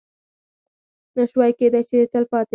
نه شوای کېدی چې د تلپاتې